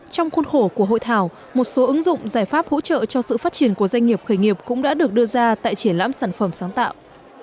trong khuôn khổ của hội thảo một số ứng dụng giải pháp hỗ trợ cho sự phát triển của doanh nghiệp khởi nghiệp cũng đã được đưa ra tại triển lãm sản phẩm sáng tạo